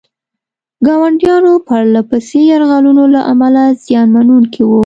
ګاونډیانو پرله پسې یرغلونو له امله زیان منونکي وو.